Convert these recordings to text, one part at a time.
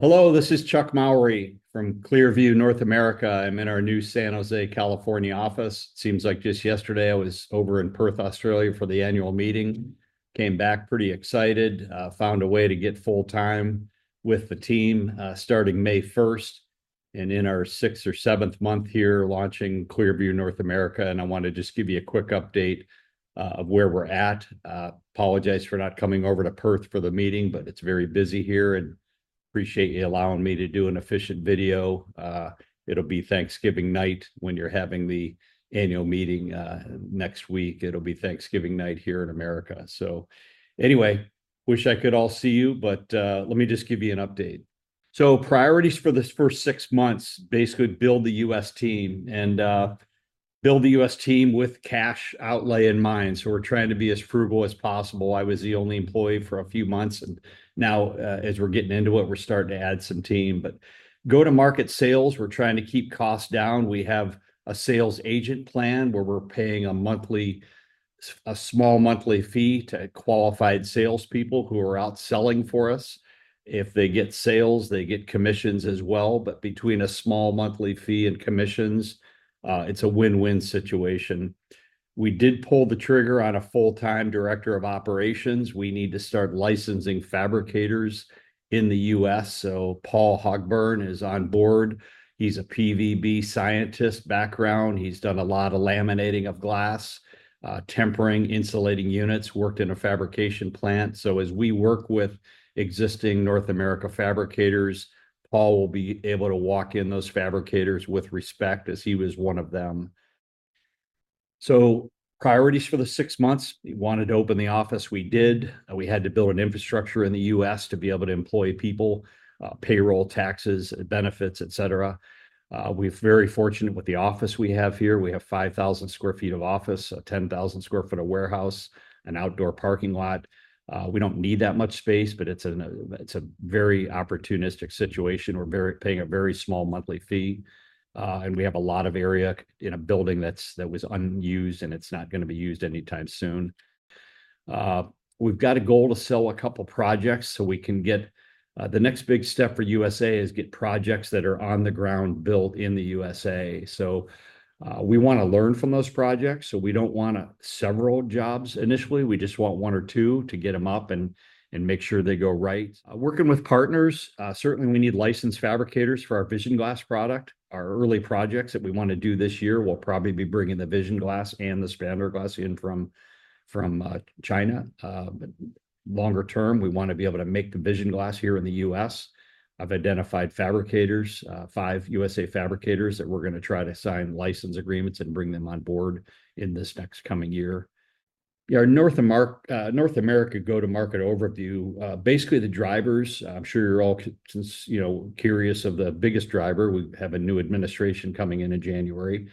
Hello, this is Chuck Mowrey from ClearVue North America. I'm in our new San Jose, California office. Seems like just yesterday I was over in Perth, Australia, for the annual meeting. Came back pretty excited, found a way to get full-time with the team starting May 1st, and in our sixth or seventh month here launching ClearVue North America. I wanted to just give you a quick update of where we're at. Apologize for not coming over to Perth for the meeting, but it's very busy here, and appreciate you allowing me to do an efficient video. It'll be Thanksgiving night when you're having the annual meeting next week. It'll be Thanksgiving night here in America. Anyway, wish I could all see you, but let me just give you an update. Priorities for the first six months basically build the U.S. team and build the U.S. team with cash outlay in mind. So we're trying to be as frugal as possible. I was the only employee for a few months, and now as we're getting into it, we're starting to add some team. But go to market sales, we're trying to keep costs down. We have a sales agent plan where we're paying a small monthly fee to qualified salespeople who are out selling for us. If they get sales, they get commissions as well. But between a small monthly fee and commissions, it's a win-win situation. We did pull the trigger on a full-time director of operations. We need to start licensing fabricators in the U.S. So Paul Hogben is on board. He's a PVB scientist background. He's done a lot of laminating of glass, tempering insulating units, worked in a fabrication plant. As we work with existing North America fabricators, Paul will be able to walk in those fabricators with respect as he was one of them. Priorities for the six months, we wanted to open the office. We did. We had to build an infrastructure in the U.S. to be able to employ people, payroll, taxes, benefits, etc. We're very fortunate with the office we have here. We have 5,000 sq ft of office, a 10,000 sq ft warehouse, an outdoor parking lot. We don't need that much space, but it's a very opportunistic situation. We're paying a very small monthly fee, and we have a lot of area in a building that was unused, and it's not going to be used anytime soon. We've got a goal to sell a couple of projects so we can get the next big step for U.S. is get projects that are on the ground built in the U.S., so we want to learn from those projects, so we don't want several jobs initially. We just want one or two to get them up and make sure they go right. Working with partners, certainly we need licensed fabricators for our vision glass product. Our early projects that we want to do this year will probably be bringing the vision glass and the spandrel glass in from China. Longer term, we want to be able to make the vision glass here in the U.S. I've identified fabricators, five U.S. fabricators that we're going to try to sign license agreements and bring them on board in this next coming year. Yeah, our North America go to market overview, basically the drivers. I'm sure you're all curious of the biggest driver. We have a new administration coming in in January.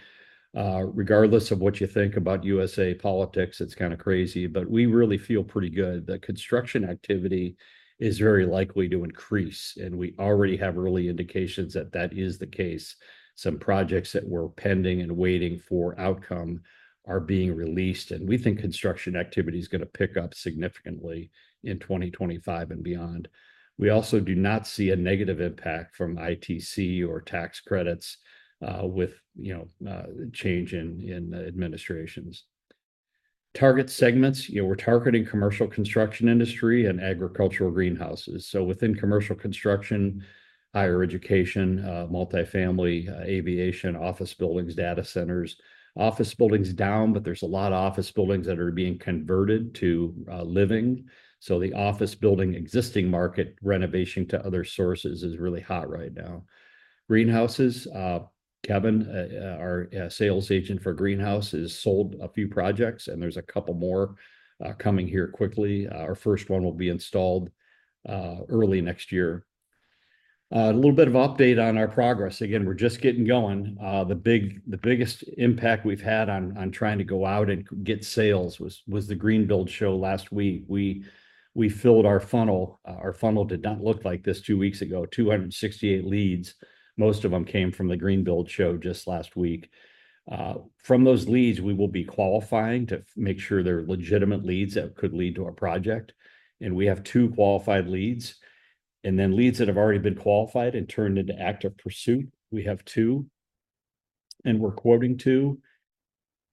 Regardless of what you think about USA politics, it's kind of crazy, but we really feel pretty good that construction activity is very likely to increase, and we already have early indications that that is the case. Some projects that were pending and waiting for outcome are being released, and we think construction activity is going to pick up significantly in 2025 and beyond. We also do not see a negative impact from ITC or tax credits with change in administrations. Target segments, we're targeting commercial construction industry and agricultural greenhouses. So within commercial construction, higher education, multifamily, aviation, office buildings, data centers. Office buildings down, but there's a lot of office buildings that are being converted to living. The office building existing market renovation to other sources is really hot right now. Greenhouses. Kevin, our sales agent for greenhouse, has sold a few projects, and there's a couple more coming here quickly. Our first one will be installed early next year. A little bit of update on our progress. Again, we're just getting going. The biggest impact we've had on trying to go out and get sales was the Greenbuild show last week. We filled our funnel. Our funnel did not look like this two weeks ago. 268 leads. Most of them came from the Greenbuild show just last week. From those leads, we will be qualifying to make sure they're legitimate leads that could lead to our project, and we have two qualified leads. Then leads that have already been qualified and turned into active pursuit. We have two, and we're quoting two.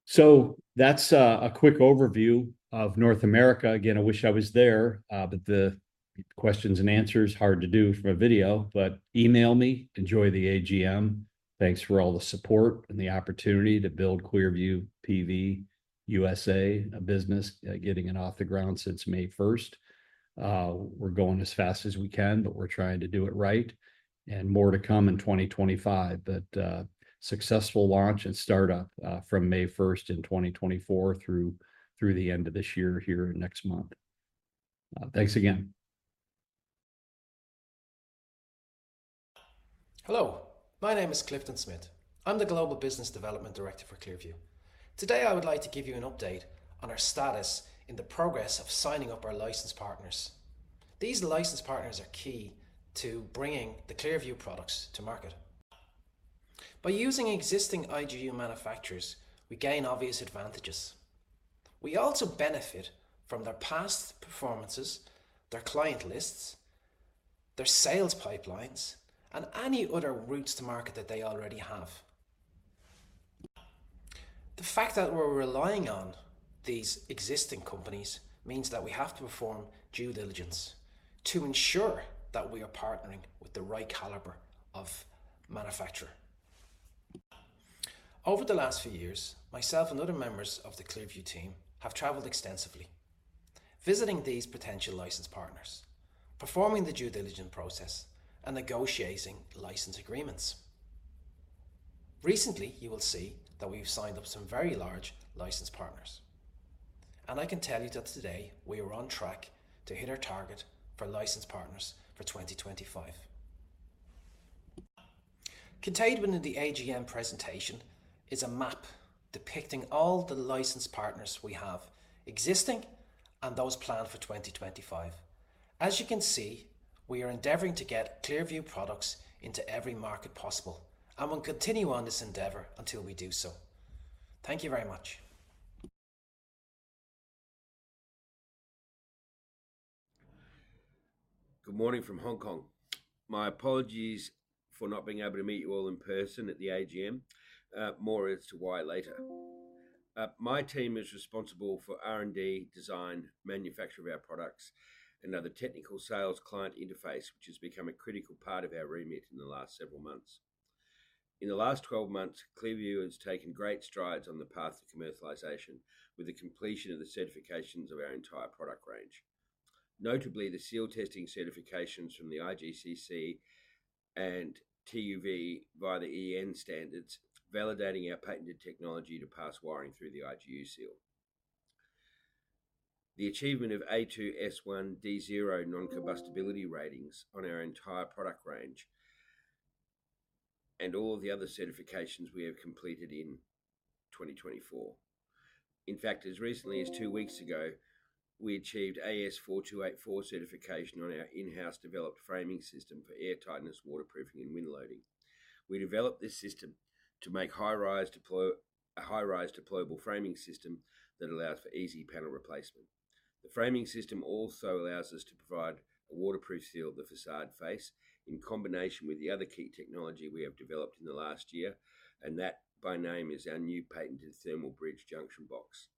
So that's a quick overview of North America. Again, I wish I was there, but the questions and answers are hard to do for a video, but email me. Enjoy the AGM. Thanks for all the support and the opportunity to build ClearVue PV U.S.A. business, getting it off the ground since May 1st. We're going as fast as we can, but we're trying to do it right. And more to come in 2025, but successful launch and startup from May 1st in 2024 through the end of this year here next month. Thanks again. Hello, my name is Clifton Smyth. I'm the Global Business Development Director for ClearVue. Today, I would like to give you an update on our status in the progress of signing up our licensed partners. These licensed partners are key to bringing the ClearVue products to market. By using existing IGU manufacturers, we gain obvious advantages. We also benefit from their past performances, their client lists, their sales pipelines, and any other routes to market that they already have. The fact that we're relying on these existing companies means that we have to perform due diligence to ensure that we are partnering with the right caliber of manufacturer. Over the last few years, myself and other members of the ClearVue team have traveled extensively, visiting these potential licensed partners, performing the due diligence process, and negotiating license agreements. Recently, you will see that we've signed up some very large licensed partners. I can tell you that today we are on track to hit our target for licensed partners for 2025. Contained within the AGM presentation is a map depicting all the licensed partners we have existing and those planned for 2025. As you can see, we are endeavoring to get ClearVue products into every market possible and will continue on this endeavor until we do so. Thank you very much. Good morning from Hong Kong. My apologies for not being able to meet you all in person at the AGM. More as to why later. My team is responsible for R&D, design, manufacture of our products, and other technical sales client interface, which has become a critical part of our remit in the last several months. In the last 12 months, ClearVue has taken great strides on the path to commercialization with the completion of the certifications of our entire product range. Notably, the seal testing certifications from the IGCC and TÜV via the EN standards, validating our patented technology to pass wiring through the IGU seal. The achievement of A2-s1, d0 non-combustibility ratings on our entire product range and all the other certifications we have completed in 2024. In fact, as recently as two weeks ago, we achieved AS 4284 certification on our in-house developed framing system for air tightness, waterproofing, and wind loading. We developed this system to make a high-rise deployable framing system that allows for easy panel replacement. The framing system also allows us to provide a waterproof seal of the facade face in combination with the other key technology we have developed in the last year, and that by name is our new patented thermal bridge junction box.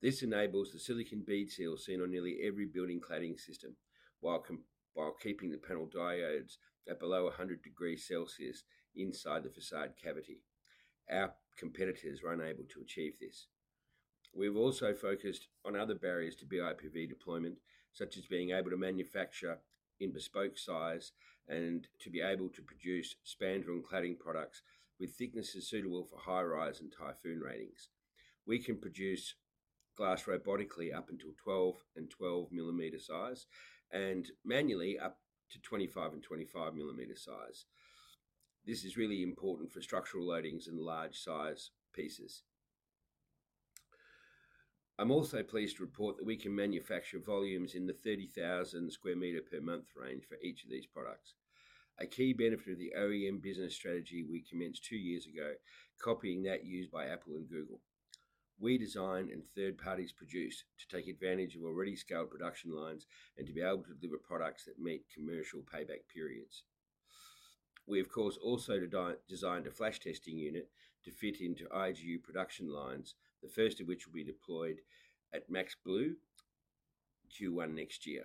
This enables the silicone bead seal seen on nearly every building cladding system while keeping the panel diodes at below 100 degrees Celsius inside the facade cavity. Our competitors are unable to achieve this. We've also focused on other barriers to BIPV deployment, such as being able to manufacture in bespoke size and to be able to produce spandrel and cladding products with thicknesses suitable for high-rise and typhoon ratings. We can produce glass robotically up until 12- and 12-mm size and manually up to 25- and 25-mm size. This is really important for structural loadings and large size pieces. I'm also pleased to report that we can manufacture volumes in the 30,000 sq m per month range for each of these products. A key benefit of the OEM business strategy we commenced two years ago, copying that used by Apple and Google. We design and third parties produce to take advantage of already scaled production lines and to be able to deliver products that meet commercial payback periods. We, of course, also designed a flash testing unit to fit into IGU production lines, the first of which will be deployed at Maxblue Q1 next year.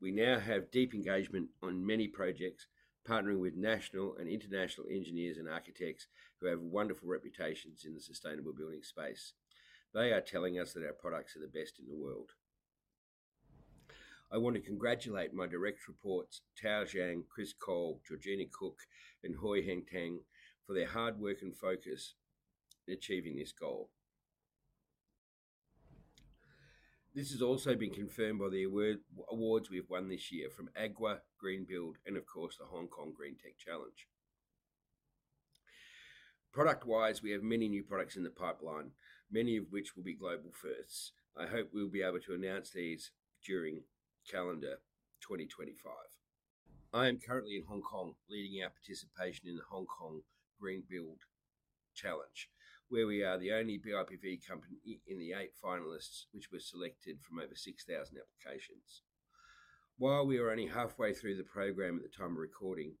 We now have deep engagement on many projects, partnering with national and international engineers and architects who have wonderful reputations in the sustainable building space. They are telling us that our products are the best in the world. I want to congratulate my direct reports, Tao Zhang, Chris Cole, Georgina Cook, and Hui Heng Tang for their hard work and focus in achieving this goal. This has also been confirmed by the awards we've won this year from AGWA, Greenbuild, and of course, the Hong Kong Green Tech Challenge. Product-wise, we have many new products in the pipeline, many of which will be global firsts. I hope we'll be able to announce these during calendar 2025. I am currently in Hong Kong leading our participation in the Hong Kong Green Build Challenge, where we are the only BIPV company in the eight finalists which were selected from over 6,000 applications. While we are only halfway through the program at the time of recording,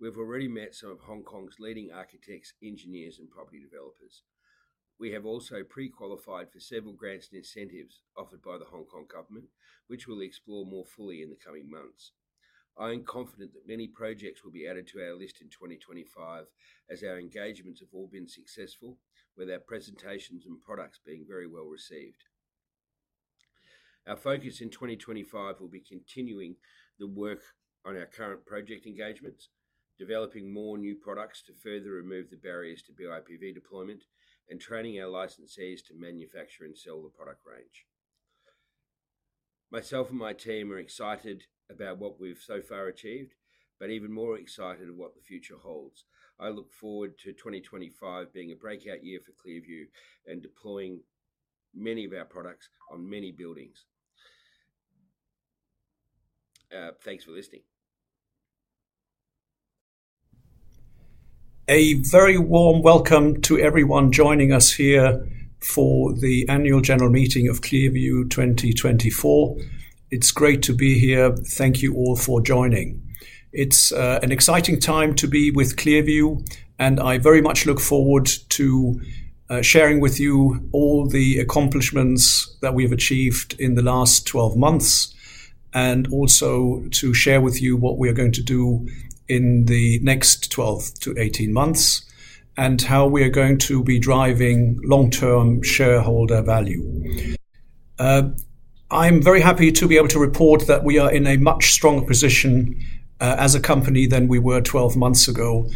we've already met some of Hong Kong's leading architects, engineers, and property developers. We have also pre-qualified for several grants and incentives offered by the Hong Kong government, which we'll explore more fully in the coming months. I am confident that many projects will be added to our list in 2025 as our engagements have all been successful, with our presentations and products being very well received. Our focus in 2025 will be continuing the work on our current project engagements, developing more new products to further remove the barriers to BIPV deployment, and training our licensees to manufacture and sell the product range. Myself and my team are excited about what we've so far achieved, but even more excited about what the future holds. I look forward to 2025 being a breakout year for ClearVue and deploying many of our products on many buildings. Thanks for listening. A very warm welcome to everyone joining us here for the annual general meeting of ClearVue 2024. It's great to be here. Thank you all for joining. It's an exciting time to be with ClearVue, and I very much look forward to sharing with you all the accomplishments that we have achieved in the last 12 months and also to share with you what we are going to do in the next 12 to 18 months and how we are going to be driving long-term shareholder value. I'm very happy to be able to report that we are in a much stronger position as a company than we were 12 months ago.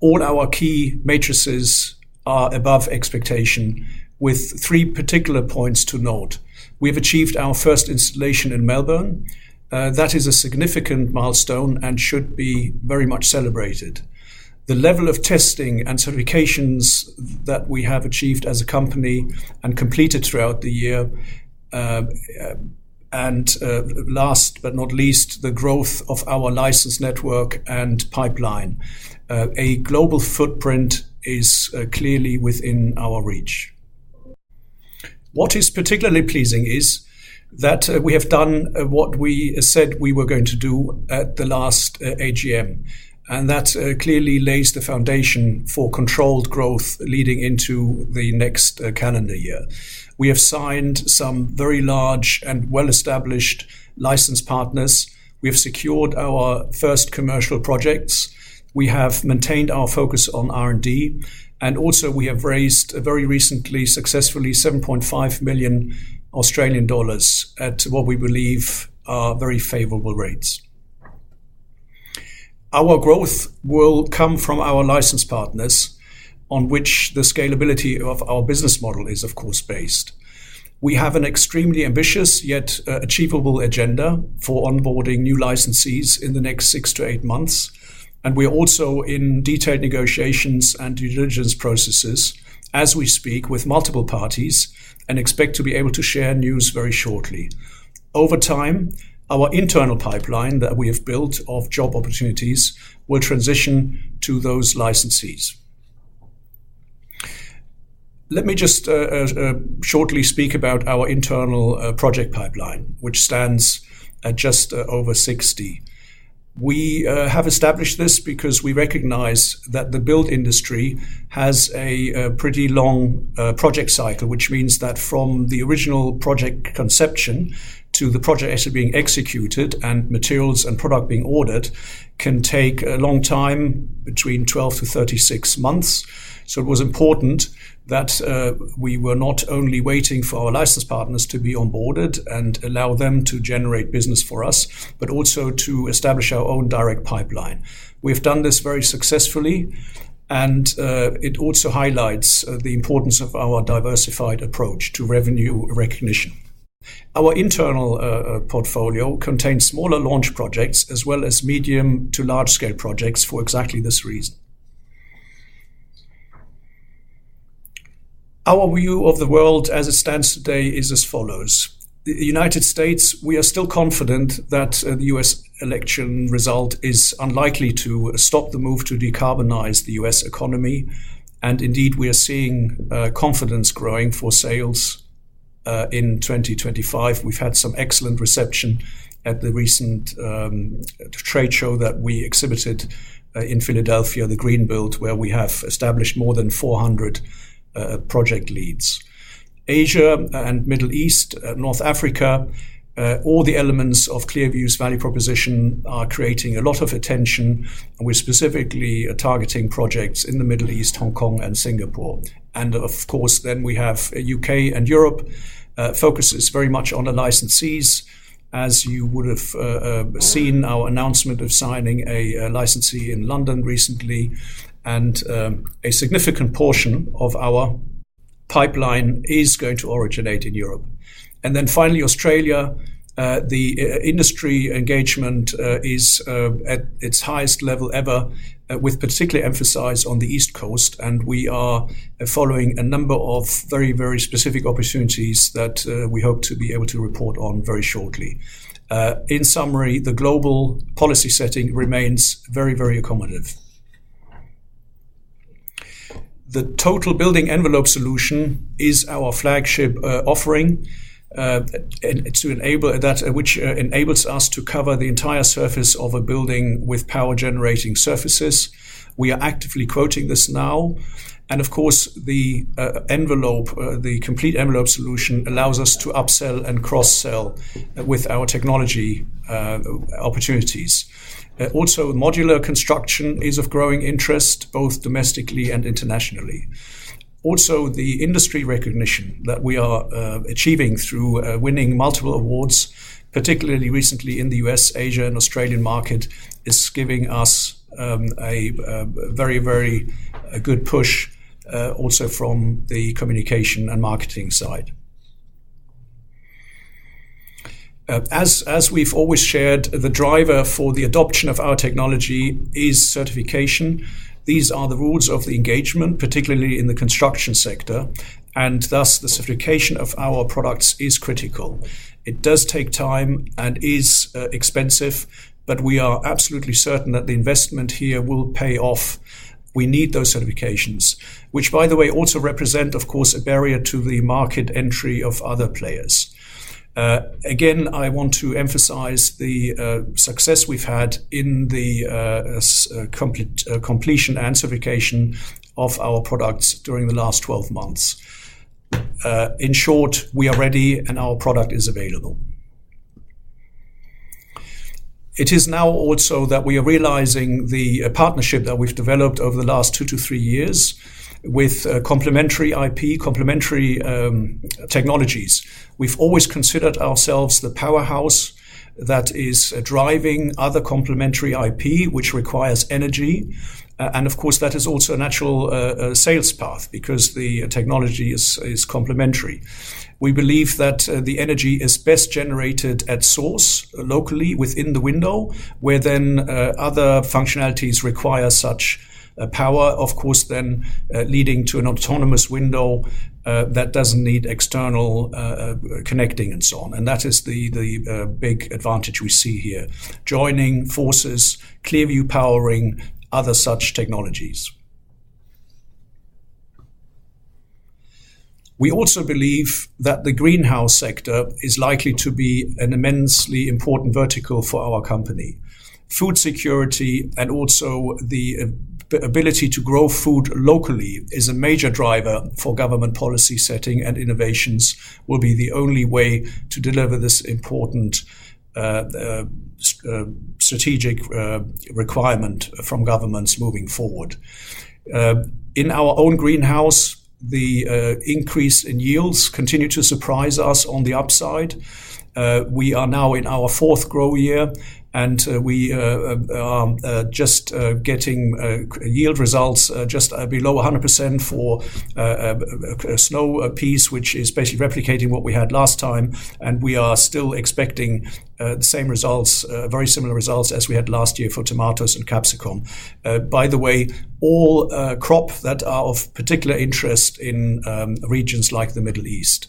All our key metrics are above expectation with three particular points to note. We've achieved our first installation in Melbourne. That is a significant milestone and should be very much celebrated. The level of testing and certifications that we have achieved as a company and completed throughout the year, and last but not least, the growth of our license network and pipeline. A global footprint is clearly within our reach. What is particularly pleasing is that we have done what we said we were going to do at the last AGM, and that clearly lays the foundation for controlled growth leading into the next calendar year. We have signed some very large and well-established license partners. We have secured our first commercial projects. We have maintained our focus on R&D, and also we have raised very recently successfully 7.5 million Australian dollars at what we believe are very favorable rates. Our growth will come from our license partners on which the scalability of our business model is, of course, based. We have an extremely ambitious yet achievable agenda for onboarding new licensees in the next six to eight months, and we are also in detailed negotiations and due diligence processes as we speak with multiple parties and expect to be able to share news very shortly. Over time, our internal pipeline that we have built of job opportunities will transition to those licensees. Let me just shortly speak about our internal project pipeline, which stands at just over 60. We have established this because we recognize that the build industry has a pretty long project cycle, which means that from the original project conception to the project actually being executed and materials and product being ordered can take a long time, between 12 to 36 months. So it was important that we were not only waiting for our license partners to be onboarded and allow them to generate business for us, but also to establish our own direct pipeline. We have done this very successfully, and it also highlights the importance of our diversified approach to revenue recognition. Our internal portfolio contains smaller launch projects as well as medium to large-scale projects for exactly this reason. Our view of the world as it stands today is as follows. The United States, we are still confident that the U.S. election result is unlikely to stop the move to decarbonize the U.S. economy. And indeed, we are seeing confidence growing for sales in 2025. We've had some excellent reception at the recent trade show that we exhibited in Philadelphia, the Greenbuild, where we have established more than 400 project leads. Asia and Middle East, North Africa, all the elements of ClearVue's value proposition are creating a lot of attention. We're specifically targeting projects in the Middle East, Hong Kong, and Singapore. And of course, then we have UK and Europe focuses very much on the licensees, as you would have seen our announcement of signing a licensee in London recently. And a significant portion of our pipeline is going to originate in Europe. And then finally, Australia, the industry engagement is at its highest level ever, with particular emphasis on the East Coast. And we are following a number of very, very specific opportunities that we hope to be able to report on very shortly. In summary, the global policy setting remains very, very accommodative. The total building envelope solution is our flagship offering to enable that, which enables us to cover the entire surface of a building with power generating surfaces. We are actively quoting this now. And of course, the envelope, the complete envelope solution allows us to upsell and cross-sell with our technology opportunities. Also, modular construction is of growing interest, both domestically and internationally. Also, the industry recognition that we are achieving through winning multiple awards, particularly recently in the U.S., Asia, and Australian market, is giving us a very, very good push also from the communication and marketing side. As we've always shared, the driver for the adoption of our technology is certification. These are the rules of the engagement, particularly in the construction sector, and thus the certification of our products is critical. It does take time and is expensive, but we are absolutely certain that the investment here will pay off. We need those certifications, which, by the way, also represent, of course, a barrier to the market entry of other players. Again, I want to emphasize the success we've had in the completion and certification of our products during the last 12 months. In short, we are ready and our product is available. It is now also that we are realizing the partnership that we've developed over the last two to three years with complementary IP, complementary technologies. We've always considered ourselves the powerhouse that is driving other complementary IP, which requires energy, and of course, that is also a natural sales path because the technology is complementary. We believe that the energy is best generated at source locally within the window, where then other functionalities require such power, of course, then leading to an autonomous window that doesn't need external connecting and so on, and that is the big advantage we see here, joining forces, ClearVue powering other such technologies. We also believe that the greenhouse sector is likely to be an immensely important vertical for our company. Food security and also the ability to grow food locally is a major driver for government policy setting and innovations will be the only way to deliver this important strategic requirement from governments moving forward. In our own greenhouse, the increase in yields continues to surprise us on the upside. We are now in our fourth grow year, and we are just getting yield results just below 100% for snow peas, which is basically replicating what we had last time, and we are still expecting the same results, very similar results as we had last year for tomatoes and capsicum, by the way, all crops that are of particular interest in regions like the Middle East.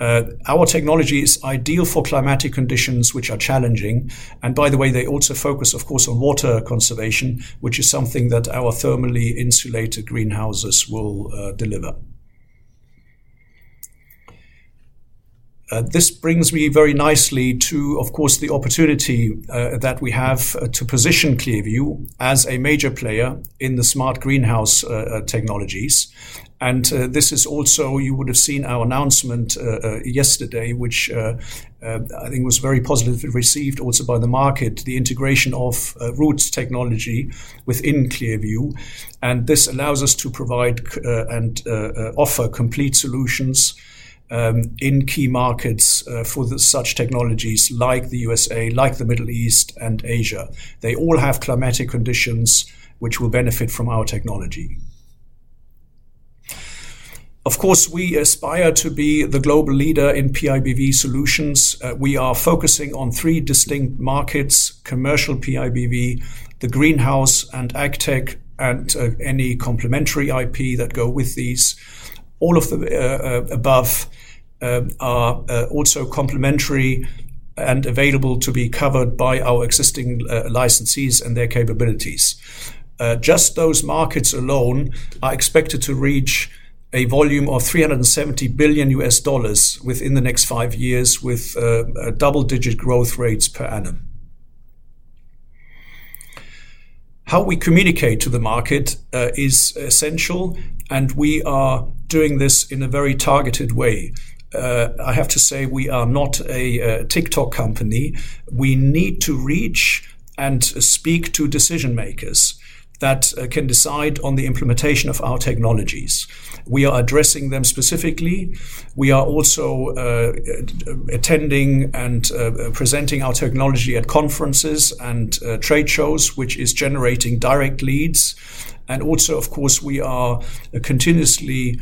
Our technology is ideal for climatic conditions, which are challenging, and by the way, they also focus, of course, on water conservation, which is something that our thermally insulated greenhouses will deliver. This brings me very nicely to, of course, the opportunity that we have to position ClearVue as a major player in the smart greenhouse technologies. This is also, you would have seen our announcement yesterday, which I think was very positively received also by the market, the integration of Roots technology within ClearVue. This allows us to provide and offer complete solutions in key markets for such technologies like the U.S.A., like the Middle East, and Asia. They all have climatic conditions which will benefit from our technology. Of course, we aspire to be the global leader in BIPV solutions. We are focusing on three distinct markets: commercial BIPV, the greenhouse, and agtech, and any complementary IP that go with these. All of the above are also complementary and available to be covered by our existing licensees and their capabilities. Just those markets alone are expected to reach a volume of $370 billion within the next five years with double-digit growth rates per annum. How we communicate to the market is essential, and we are doing this in a very targeted way. I have to say we are not a TikTok company. We need to reach and speak to decision-makers that can decide on the implementation of our technologies. We are addressing them specifically. We are also attending and presenting our technology at conferences and trade shows, which is generating direct leads. And also, of course, we are continuously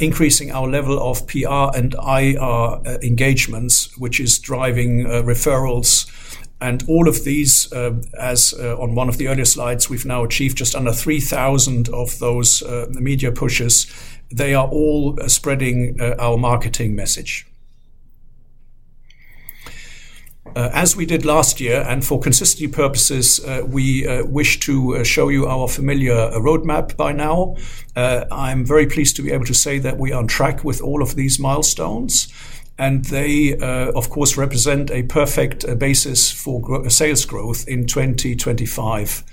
increasing our level of PR and IR engagements, which is driving referrals. And all of these, as on one of the earlier slides, we've now achieved just under 3,000 of those media pushes. They are all spreading our marketing message. As we did last year, and for consistency purposes, we wish to show you our familiar roadmap by now. I'm very pleased to be able to say that we are on track with all of these milestones, and they, of course, represent a perfect basis for sales growth in 2025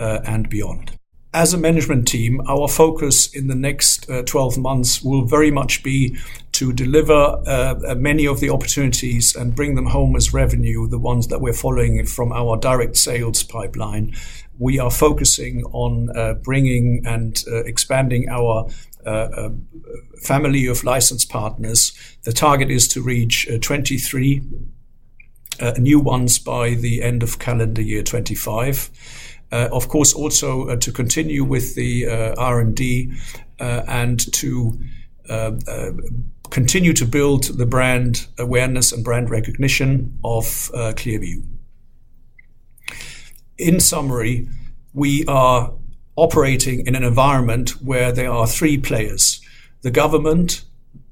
and beyond. As a management team, our focus in the next 12 months will very much be to deliver many of the opportunities and bring them home as revenue, the ones that we're following from our direct sales pipeline. We are focusing on bringing and expanding our family of license partners. The target is to reach 23 new ones by the end of calendar year 2025. Of course, also to continue with the R&D and to continue to build the brand awareness and brand recognition of ClearVue. In summary, we are operating in an environment where there are three players: the government,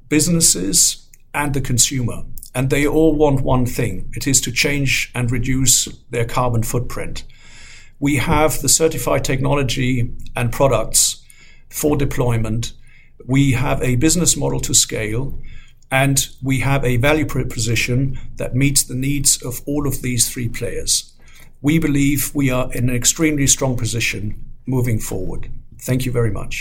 businesses, and the consumer, and they all want one thing. It is to change and reduce their carbon footprint. We have the certified technology and products for deployment. We have a business model to scale, and we have a value proposition that meets the needs of all of these three players. We believe we are in an extremely strong position moving forward. Thank you very much.